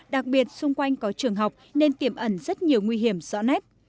đặc biệt xung quanh có trường học nên tiềm ẩn rất nhiều nguy hiểm rõ nét